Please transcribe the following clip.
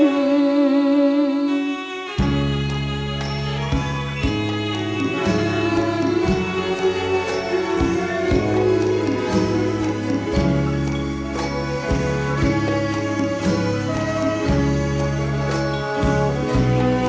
สักน้ำดำไม่กล้องจนดับ